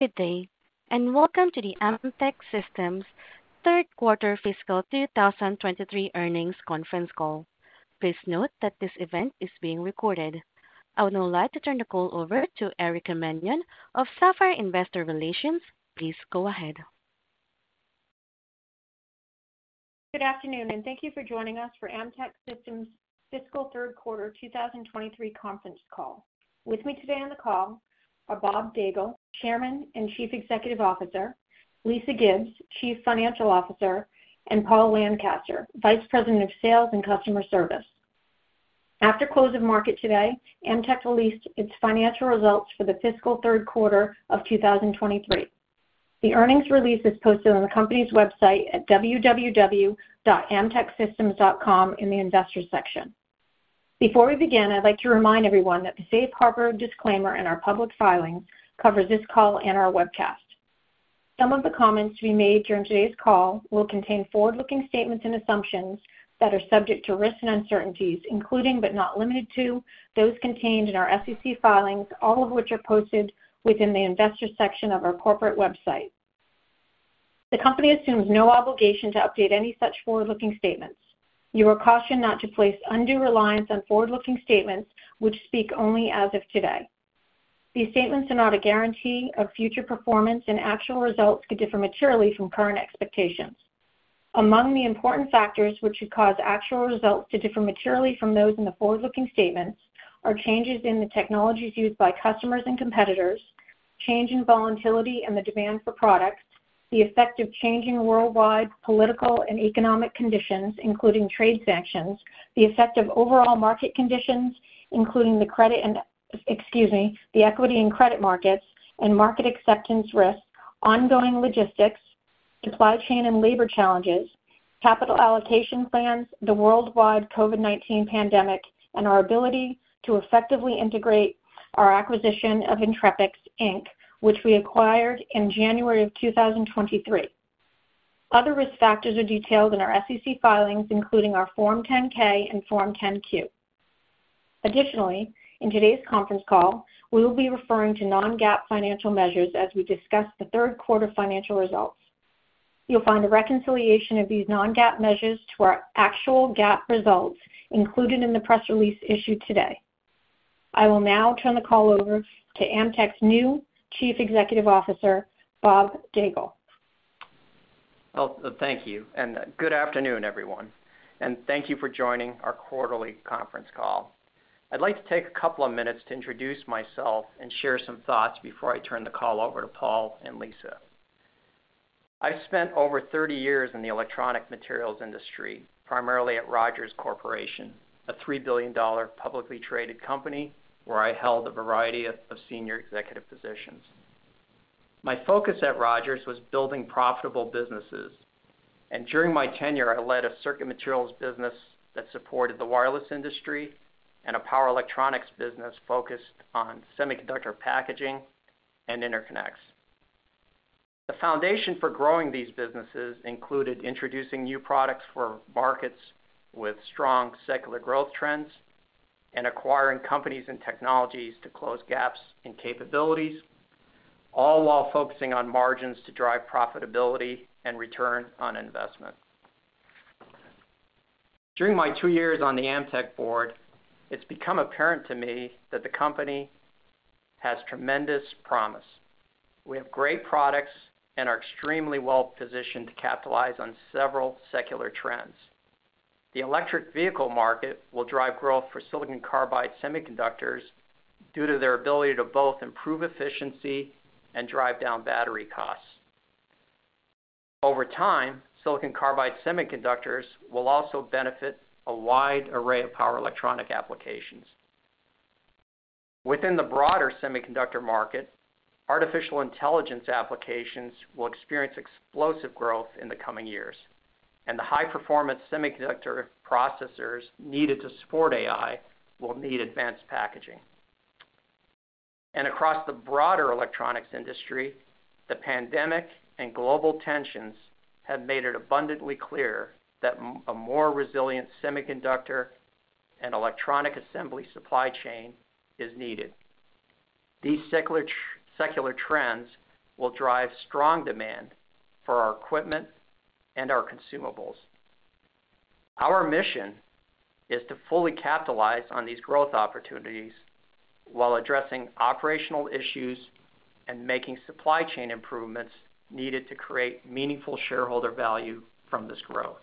Good day, welcome to the Amtech Systems third quarter fiscal 2023 earnings conference call. Please note that this event is being recorded. I would now like to turn the call over to Erica Mannion of Sapphire Investor Relations. Please go ahead. Good afternoon, and thank you for joining us for Amtech Systems' fiscal third quarter 2023 conference call. With me today on the call are Bob Daigle, Chairman and Chief Executive Officer, Lisa Gibbs, Chief Financial Officer, and Paul Lancaster, Vice President of Sales and Customer Service. After close of market today, Amtech released its financial results for the fiscal third quarter of 2023. The earnings release is posted on the company's website at www.amtechsystems.com in the Investors section. Before we begin, I'd like to remind everyone that the safe harbor disclaimer in our public filings covers this call and our webcast. Some of the comments to be made during today's call will contain forward-looking statements and assumptions that are subject to risks and uncertainties, including, but not limited to, those contained in our SEC filings, all of which are posted within the Investors section of our corporate website. The company assumes no obligation to update any such forward-looking statements. You are cautioned not to place undue reliance on forward-looking statements, which speak only as of today. These statements are not a guarantee of future performance, and actual results could differ materially from current expectations. Among the important factors which could cause actual results to differ materially from those in the forward-looking statements are changes in the technologies used by customers and competitors, change in volatility and the demand for products, the effect of changing worldwide political and economic conditions, including trade sanctions, the effect of overall market conditions, including the credit and, excuse me, the equity and credit markets, and market acceptance risks, ongoing logistics, supply chain and labor challenges, capital allocation plans, the worldwide COVID-19 pandemic, and our ability to effectively integrate our acquisition of Entrepix, Inc., which we acquired in January of 2023. Other risk factors are detailed in our SEC filings, including our Form 10-K and Form 10-Q. Additionally, in today's conference call, we will be referring to non-GAAP financial measures as we discuss the third quarter financial results. You'll find a reconciliation of these non-GAAP measures to our actual GAAP results included in the press release issued today. I will now turn the call over to Amtech's new Chief Executive Officer, Bob Daigle. Well, thank you, and good afternoon, everyone, and thank you for joining our quarterly conference call. I'd like to take a couple of minutes to introduce myself and share some thoughts before I turn the call over to Paul and Lisa. I've spent over 30 years in the electronic materials industry, primarily at Rogers Corporation, a $3 billion publicly traded company, where I held a variety of senior executive positions. My focus at Rogers was building profitable businesses, and during my tenure, I led a circuit materials business that supported the wireless industry and a power electronics business focused on semiconductor packaging and interconnects. The foundation for growing these businesses included introducing new products for markets with strong secular growth trends and acquiring companies and technologies to close gaps in capabilities, all while focusing on margins to drive profitability and return on investment. During my two years on the Amtech board, it's become apparent to me that the company has tremendous promise. We have great products and are extremely well-positioned to capitalize on several secular trends. The electric vehicle market will drive growth for silicon carbide semiconductors due to their ability to both improve efficiency and drive down battery costs. Over time, silicon carbide semiconductors will also benefit a wide array of power electronic applications. Within the broader semiconductor market, artificial intelligence applications will experience explosive growth in the coming years, and the high-performance semiconductor processors needed to support AI will need advanced packaging. Across the broader electronics industry, the pandemic and global tensions have made it abundantly clear that a more resilient semiconductor and electronic assembly supply chain is needed. These secular trends will drive strong demand for our equipment and our consumables. Our mission is to fully capitalize on these growth opportunities while addressing operational issues and making supply chain improvements needed to create meaningful shareholder value from this growth.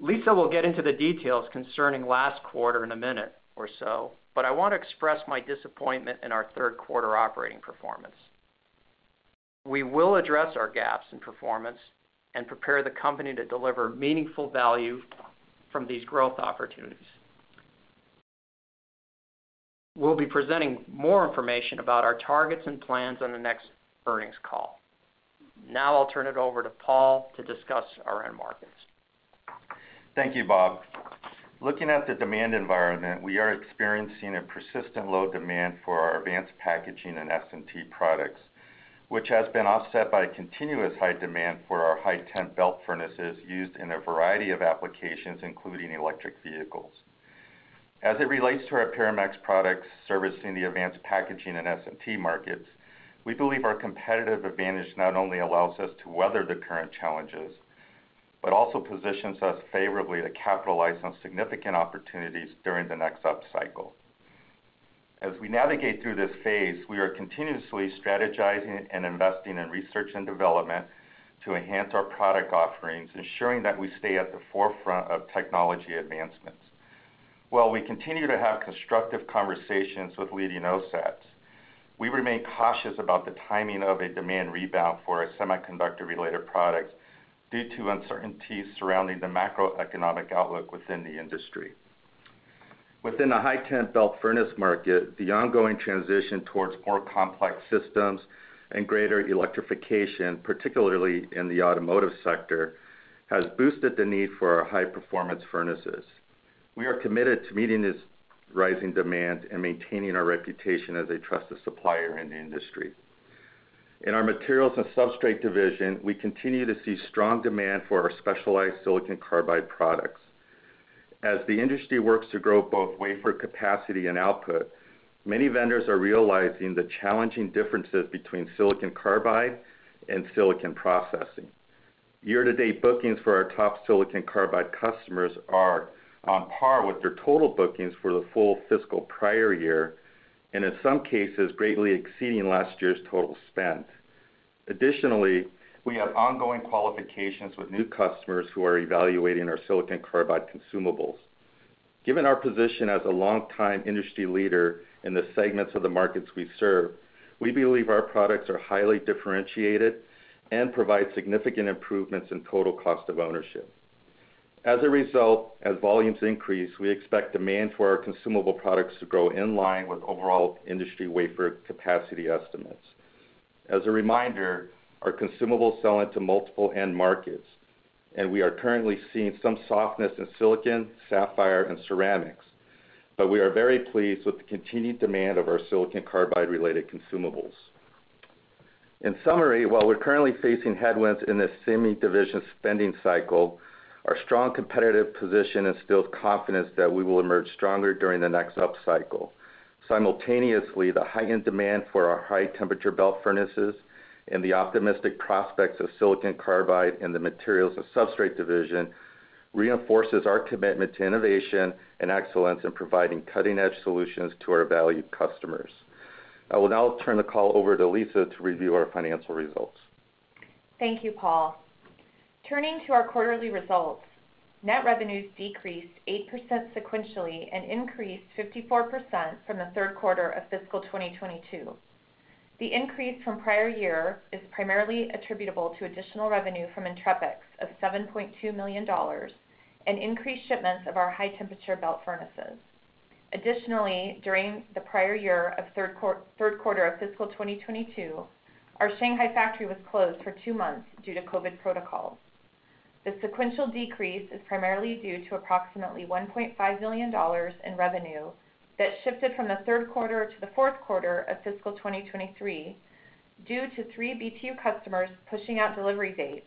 Lisa Gibbs will get into the details concerning last quarter in a minute or so, but I want to express my disappointment in our third quarter operating performance. We will address our gaps in performance and prepare the company to deliver meaningful value from these growth opportunities. We'll be presenting more information about our targets and plans on the next earnings call. I'll turn it over to Paul Lancaster to discuss our end markets. Thank you, Bob. Looking at the demand environment, we are experiencing a persistent low demand for our advanced packaging and SMT products, which has been offset by continuous high demand for our high temp belt furnaces used in a variety of applications, including electric vehicles. As it relates to our Pyramax products servicing the advanced packaging and SMT markets, we believe our competitive advantage not only allows us to weather the current challenges, but also positions us favorably to capitalize on significant opportunities during the next upcycle. As we navigate through this phase, we are continuously strategizing and investing in research and development to enhance our product offerings, ensuring that we stay at the forefront of technology advancements. While we continue to have constructive conversations with leading OSATs, we remain cautious about the timing of a demand rebound for our semiconductor-related products due to uncertainties surrounding the macroeconomic outlook within the industry. Within the high temp belt furnace market, the ongoing transition towards more complex systems and greater electrification, particularly in the automotive sector, has boosted the need for our high-performance furnaces. We are committed to meeting this rising demand and maintaining our reputation as a trusted supplier in the industry. In our Material and Substrate segment, we continue to see strong demand for our specialized silicon carbide products. As the industry works to grow both wafer capacity and output, many vendors are realizing the challenging differences between silicon carbide and silicon processing. Year-to-date bookings for our top silicon carbide customers are on par with their total bookings for the full fiscal prior year, and in some cases, greatly exceeding last year's total spend. Additionally, we have ongoing qualifications with new customers who are evaluating our silicon carbide consumables. Given our position as a longtime industry leader in the segments of the markets we serve, we believe our products are highly differentiated and provide significant improvements in total cost of ownership. As a result, as volumes increase, we expect demand for our consumable products to grow in line with overall industry wafer capacity estimates. As a reminder, our consumables sell into multiple end markets, and we are currently seeing some softness in silicon, sapphire, and ceramics, but we are very pleased with the continued demand of our silicon carbide-related consumables. In summary, while we're currently facing headwinds in this semi segment spending cycle, our strong competitive position instills confidence that we will emerge stronger during the next upcycle. Simultaneously, the heightened demand for our high-temperature belt furnaces and the optimistic prospects of silicon carbide in the Material and Substrate segment reinforces our commitment to innovation and excellence in providing cutting-edge solutions to our valued customers. I will now turn the call over to Lisa to review our financial results. Thank you, Paul. Turning to our quarterly results, net revenues decreased 8% sequentially and increased 54% from the third quarter of fiscal 2022. The increase from prior year is primarily attributable to additional revenue from Entrepix of $7.2 million and increased shipments of our high-temperature belt furnaces. Additionally, during the prior year third quarter of fiscal 2022, our Shanghai factory was closed for two months due to COVID protocols. The sequential decrease is primarily due to approximately $1.5 million in revenue that shifted from the third quarter to the fourth quarter of fiscal 2023, due to 3 BTU customers pushing out delivery dates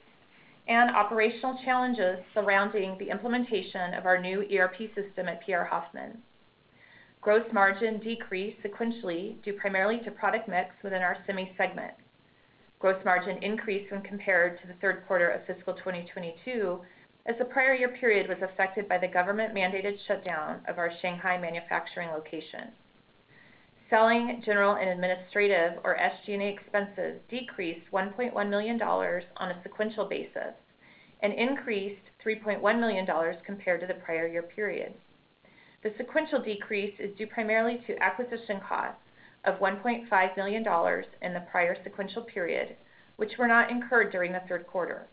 and operational challenges surrounding the implementation of our new ERP system at PR Hoffman. Gross margin decreased sequentially due primarily to product mix within our semi segment. Gross margin increased when compared to the third quarter of fiscal 2022, as the prior year period was affected by the government-mandated shutdown of our Shanghai manufacturing location. Selling, general, and administrative, or SG&A expenses decreased $1.1 million on a sequential basis and increased $3.1 million compared to the prior year period. The sequential decrease is due primarily to acquisition costs of $1.5 million in the prior sequential period, which were not incurred during the third quarter.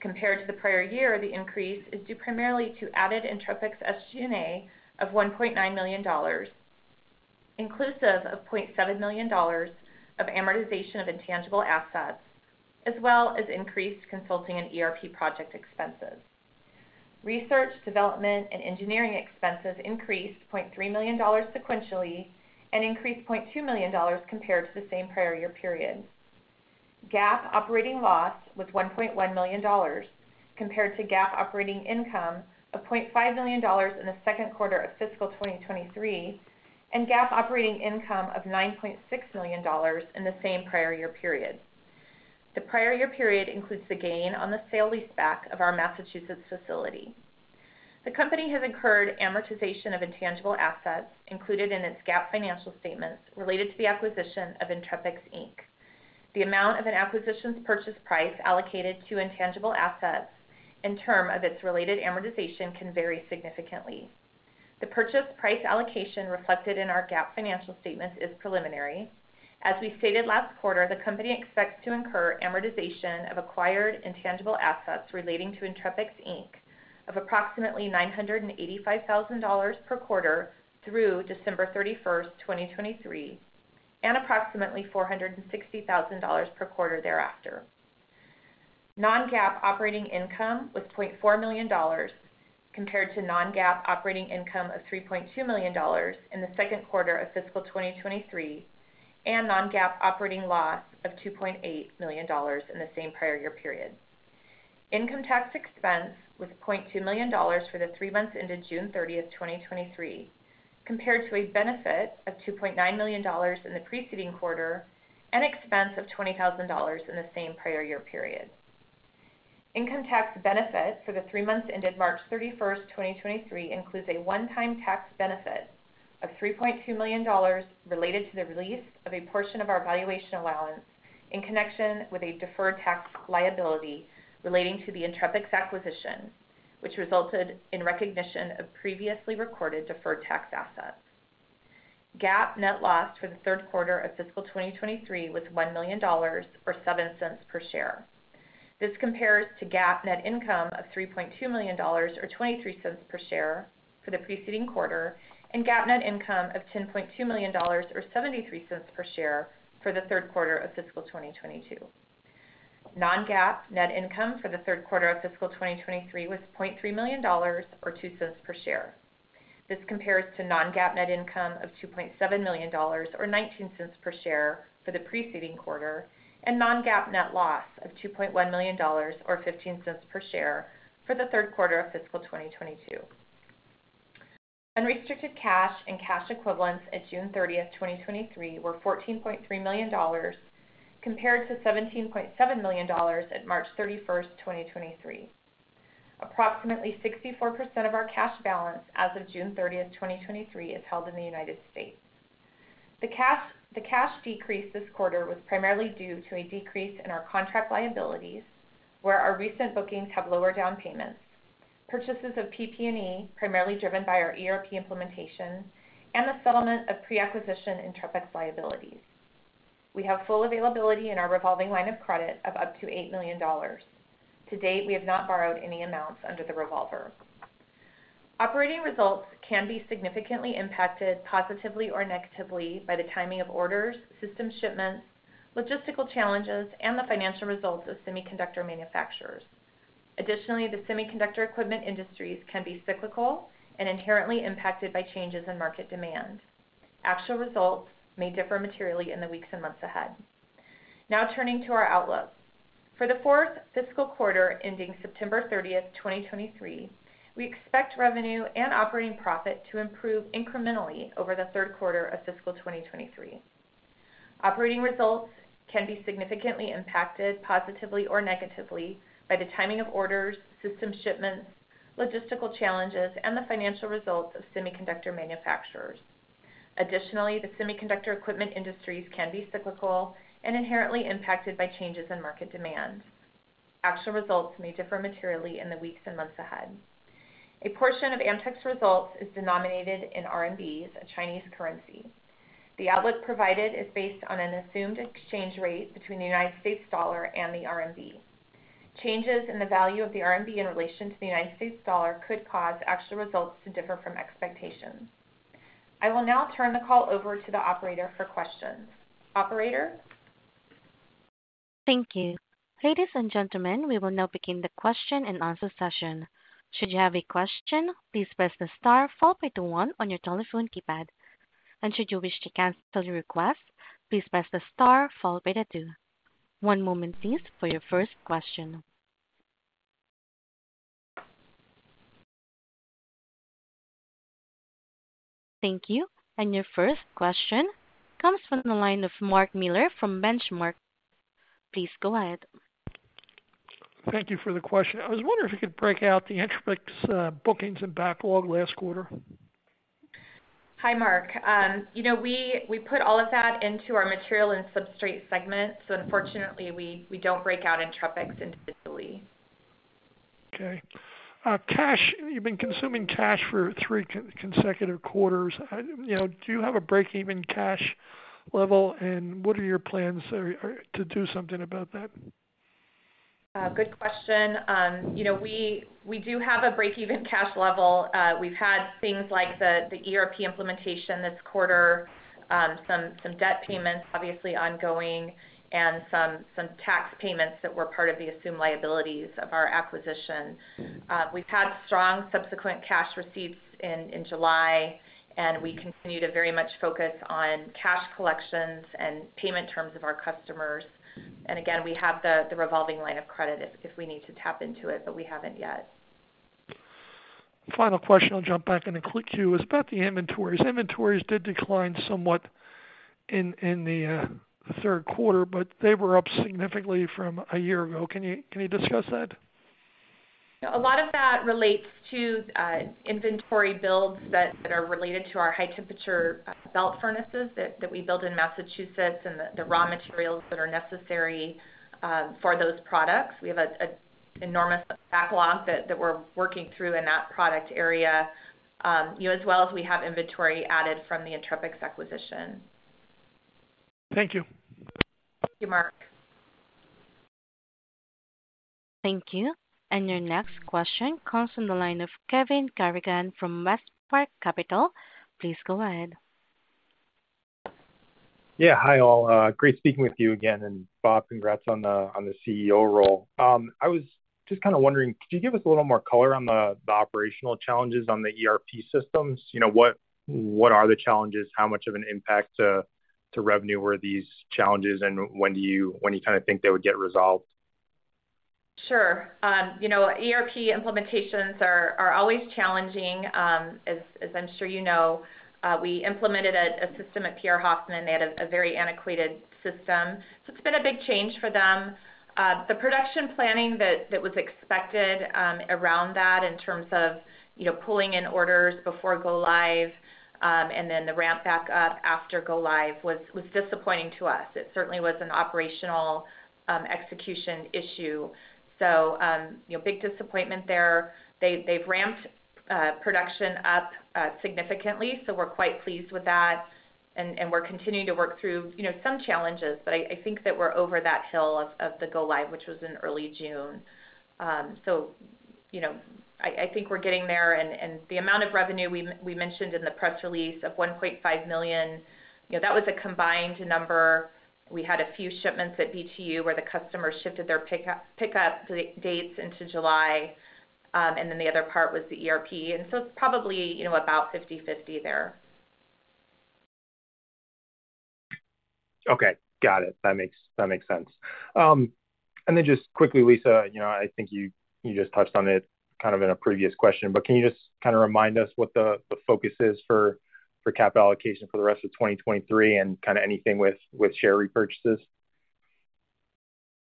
Compared to the prior year, the increase is due primarily to added Entrepix SG&A of $1.9 million, inclusive of $0.7 million of amortization of intangible assets, as well as increased consulting and ERP project expenses. Research, development, and engineering expenses increased $0.3 million sequentially and increased $0.2 million compared to the same prior year period. GAAP operating loss was $1.1 million, compared to GAAP operating income of $0.5 million in the second quarter of fiscal 2023, and GAAP operating income of $9.6 million in the same prior year period. The prior year period includes the gain on the sale-leaseback of our Massachusetts facility. The company has incurred amortization of intangible assets included in its GAAP financial statements related to the acquisition of Entrepix Inc. The amount of an acquisition's purchase price allocated to intangible assets in term of its related amortization can vary significantly. The purchase price allocation reflected in our GAAP financial statements is preliminary. As we stated last quarter, the company expects to incur amortization of acquired intangible assets relating to Entrepix, Inc. of approximately $985,000 per quarter through December 31, 2023, and approximately $460,000 per quarter thereafter. Non-GAAP operating income was $0.4 million, compared to non-GAAP operating income of $3.2 million in the second quarter of fiscal 2023, and non-GAAP operating loss of $2.8 million in the same prior year period. Income tax expense was $0.2 million for the three months ended June 30, 2023, compared to a benefit of $2.9 million in the preceding quarter and expense of $20,000 in the same prior year period. Income tax benefit for the three months ended March 31st, 2023, includes a one-time tax benefit of $3.2 million related to the release of a portion of our valuation allowance in connection with a deferred tax liability relating to the Entrepix acquisition, which resulted in recognition of previously recorded deferred tax assets. GAAP net loss for the third quarter of fiscal 2023 was $1 million, or $0.07 per share. This compares to GAAP net income of $3.2 million, or $0.23 per share, for the preceding quarter, and GAAP net income of $10.2 million, or $0.73 per share, for the third quarter of fiscal 2022. Non-GAAP net income for the third quarter of fiscal 2023 was $0.3 million, or $0.02 per share. This compares to non-GAAP net income of $2.7 million, or $0.19 per share, for the preceding quarter, and non-GAAP net loss of $2.1 million, or $0.15 per share, for the third quarter of fiscal 2022. Unrestricted cash and cash equivalents at June 30, 2023, were $14.3 million, compared to $17.7 million at March 31, 2023. Approximately 64% of our cash balance as of June 30, 2023, is held in the United States. The cash, the cash decrease this quarter was primarily due to a decrease in our contract liabilities, where our recent bookings have lower down payments, purchases of PP&E, primarily driven by our ERP implementation, and the settlement of pre-acquisition Entrepix liabilities. We have full availability in our revolving line of credit of up to $8 million. To date, we have not borrowed any amounts under the revolver. Operating results can be significantly impacted, positively or negatively, by the timing of orders, system shipments, logistical challenges, and the financial results of semiconductor manufacturers. Additionally, the semiconductor equipment industries can be cyclical and inherently impacted by changes in market demand. Actual results may differ materially in the weeks and months ahead. Now turning to our outlook. For the fourth fiscal quarter, ending September thirtieth, 2023, we expect revenue and operating profit to improve incrementally over the third quarter of fiscal 2023. Operating results can be significantly impacted, positively or negatively, by the timing of orders, system shipments, logistical challenges, and the financial results of semiconductor manufacturers. Additionally, the semiconductor equipment industries can be cyclical and inherently impacted by changes in market demand. Actual results may differ materially in the weeks and months ahead. A portion of Amtech's results is denominated in RMBs, a Chinese currency. The outlook provided is based on an assumed exchange rate between the United States dollar and the RMB. Changes in the value of the RMB in relation to the United States dollar could cause actual results to differ from expectations. I will now turn the call over to the operator for questions. Operator? Thank you. Ladies and gentlemen, we will now begin the question-and-answer session. Should you have a question, please press the star followed by the one on your telephone keypad. Should you wish to cancel your request, please press the star followed by the two. One moment, please, for your first question. Thank you. Your first question comes from the line of Mark Miller from Benchmark. Please go ahead. Thank you for the question. I was wondering if you could break out the Entrepix bookings and backlog last quarter. Hi, Mark. you know, we, we put all of that into our Material and Substrate segment. Unfortunately, we, we don't break out Entrepix individually. Okay. Cash, you've been consuming cash for three con-consecutive quarters. I... You know, do you have a break-even cash level, and what are your plans to do something about that? Good question. You know, we, we do have a break-even cash level. We've had things like the, the ERP implementation this quarter, some, some debt payments, obviously ongoing, and some, some tax payments that were part of the assumed liabilities of our acquisition. Mm-hmm. We've had strong subsequent cash receipts in, in July, and we continue to very much focus on cash collections and payment terms of our customers. Mm-hmm. Again, we have the, the revolving line of credit if, if we need to tap into it, but we haven't yet. Final question, I'll jump back in the queue, is about the inventories. Inventories did decline somewhat in the third quarter, but they were up significantly from a year ago. Can you discuss that? Yeah. A lot of that relates to inventory builds that, that are related to our high-temperature belt furnaces that, that we build in Massachusetts and the, the raw materials that are necessary for those products. We have a, a enormous backlog that, that we're working through in that product area. You know, as well as we have inventory added from the Entrepix acquisition. Thank you. Thank you, Mark. Thank you. Your next question comes from the line of Kevin Garrigan from WestPark Capital. Please go ahead. Yeah. Hi, all. great speaking with you again, and Bob, congrats on the, on the CEO role. I was just kind of wondering, could you give us a little more color on the, the operational challenges on the ERP systems? You know, what, what are the challenges? How much of an impact to revenue were these challenges, and when do you, when do you kind of think they would get resolved? Sure. You know, ERP implementations are always challenging, as I'm sure you know. We implemented a system at PR Hoffman. They had a very antiquated system, so it's been a big change for them. The production planning that was expected around that in terms of, you know, pulling in orders before go live, and then the ramp back up after go live was disappointing to us. It certainly was an operational execution issue. You know, big disappointment there. They've ramped production up significantly, so we're quite pleased with that. We're continuing to work through, you know, some challenges, but I think that we're over that hill of the go live, which was in early June. You know, I, I think we're getting there, and, and the amount of revenue we, we mentioned in the press release of $1.5 million, you know, that was a combined number. We had a few shipments at BTU where the customer shifted their pickup dates into July. Then the other part was the ERP, and so it's probably, you know, about 50/50 there. Okay, got it. That makes, that makes sense. Just quickly, Lisa, you know, I think you, you just touched on it kind of in a previous question, but can you just kind of remind us what the, the focus is for, for capital allocation for the rest of 2023 and kind of anything with, with share repurchases?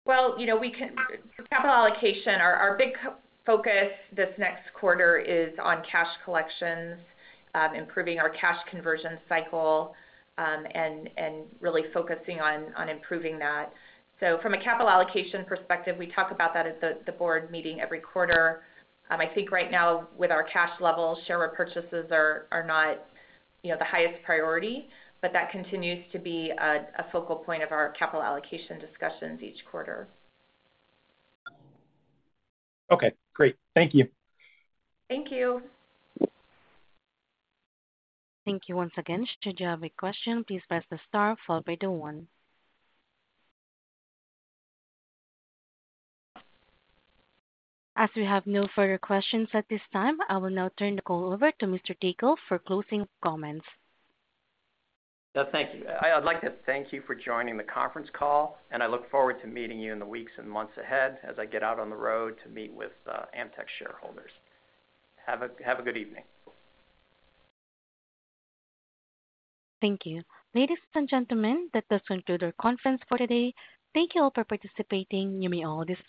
Well, you know, capital allocation, our big focus this next quarter is on cash collections, improving our cash conversion cycle, and, and really focusing on, on improving that. From a capital allocation perspective, we talk about that at the, the board meeting every quarter. I think right now with our cash levels, share repurchases are, are not, you know, the highest priority, but that continues to be a, a focal point of our capital allocation discussions each quarter. Okay, great. Thank you. Thank you. Thank you once again. Should you have a question, please press the star followed by the one. We have no further questions at this time, I will now turn the call over to Mr. Daigle for closing comments. Thank you. I'd like to thank you for joining the conference call. I look forward to meeting you in the weeks and months ahead as I get out on the road to meet with Amtech shareholders. Have a good evening. Thank you. Ladies and gentlemen, that does conclude our conference for today. Thank you all for participating. You may all disconnect.